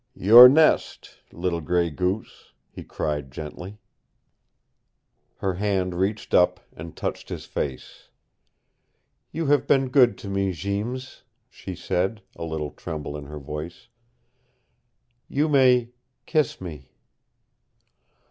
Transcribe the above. "Your nest, little Gray Goose," he cried gently. Her hand reached up and touched his face. "You have been good to me, Jeems," she said, a little tremble in her voice. "You may kiss me."